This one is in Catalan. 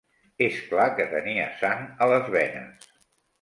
Es clar que tenia sang a les venes